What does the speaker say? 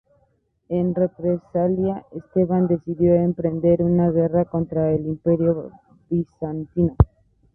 En represalia, Esteban decidió emprender una guerra contra el Imperio bizantino.